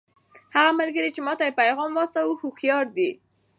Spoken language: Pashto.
هغه ملګری چې ما ته یې پیغام واستاوه هوښیار دی.